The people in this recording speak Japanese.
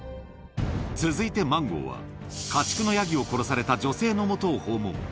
続いてマンゴーは、家畜のヤギを殺された女性のもとを訪問。